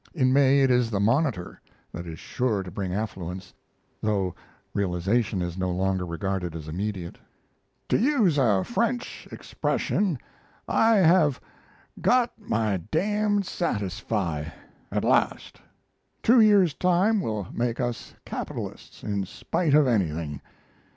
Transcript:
In May it is the "Monitor" that is sure to bring affluence, though realization is no longer regarded as immediate. To use a French expression, I have "got my d d satisfy" at last. Two years' time will make us capitalists, in spite of anything.